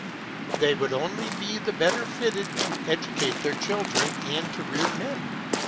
They would only be the better fitted to educate their children and to rear men.